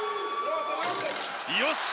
よし！